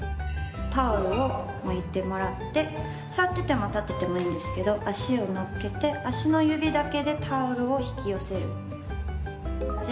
タオルを置いてもらって座ってても立っててもいいんですけど足を載っけて足の指だけでタオルを引き寄せる。